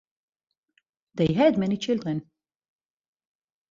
They had many children.